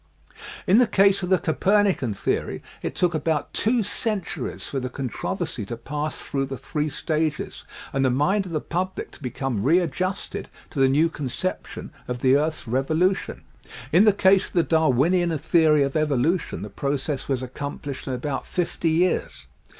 In the case of the Copemican theory it took about two centuries for the controversy to pass through the three stages and the mind of the public to become re adjusted to the new conception of the earth's revolu tion. In the case of the Darwinian theory of evolution the process was accomplished in about fifty years.